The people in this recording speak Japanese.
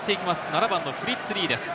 ７番のフリッツ・リーです。